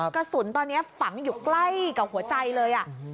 กระสุนตอนนี้ฝังอยู่ใกล้กับหัวใจเลย